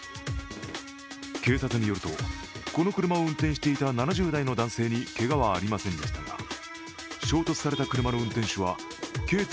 警察によると、この車を運転していた７０代の男性にけがはありませんでしたが、衝突された車の運転手はけい椎